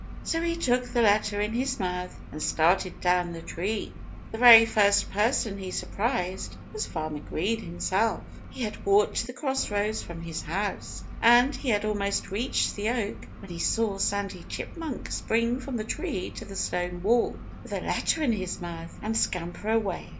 So he took the letter in his mouth and started down the tree. The very first person he surprised was Farmer Green himself. He had walked to the cross roads from his house. And he had almost reached the oak when he saw Sandy Chipmunk spring from the tree to the stone wall, with a letter in his mouth, and scamper away.